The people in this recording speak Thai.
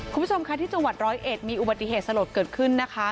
คุณผู้ชมค่ะที่จังหวัดร้อยเอ็ดมีอุบัติเหตุสลดเกิดขึ้นนะคะ